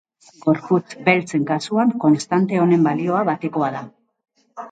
Gorputz beltzen kasuan konstante honen balioa batekoa da.